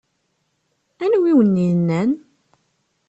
Anwa ay awen-yennan?